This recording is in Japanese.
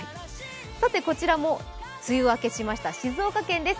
こちらも梅雨明けしました静岡県です。